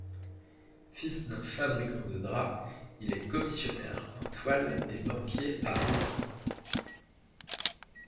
Fils d'un fabricant de drap, il est commissionnaire en toiles et banquier à Rouen.